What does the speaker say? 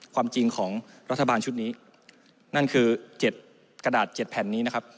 ความจริงของรัฐบาลชุดนี้นั่นคือ๗กระดาษ๗แผ่นนี้นะครับ